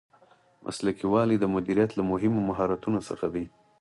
مسلکي والی د مدیریت له مهمو مهارتونو څخه دی.